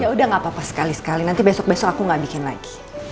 ya udah gak apa apa sekali sekali nanti besok besok aku gak bikin lagi